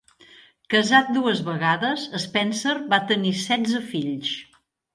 Casat dues vegades, Spencer va tenir setze fills.